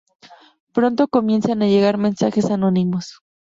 Pronto comienzan a llegar mensajes anónimos.